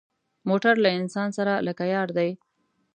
موټر له انسان سره لکه یار دی.